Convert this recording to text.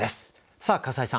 さあ笠井さん